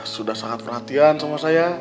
sudah sangat perhatian sama saya